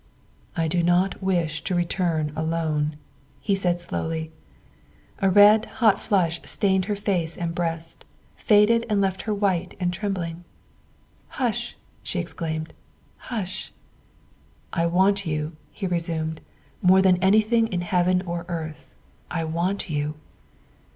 " I do not wish to return alone," he said slowly. A hot, red flush stained her face and breast, faded and left her white and trembling. " Hush!" she exclaimed, " hush!" '' I want you, '' he resumed. '' More than anything in heaven or earth, I want you."